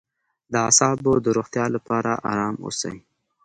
د اعصابو د روغتیا لپاره ارام اوسئ